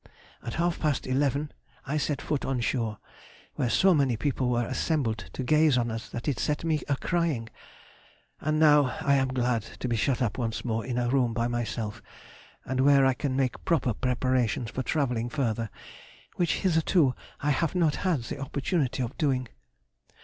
At half past eleven I set foot on shore, where so many people were assembled to gaze on us that it set me a crying, and now I am glad to be shut up once more in a room by myself and where I can make proper preparations for travelling further, which hitherto I have not had the opportunity of doing.